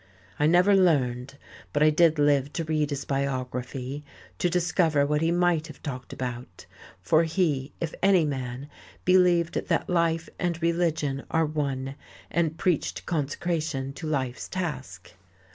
I never learned, but I did live to read his biography, to discover what he might have talked about, for he if any man believed that life and religion are one, and preached consecration to life's task.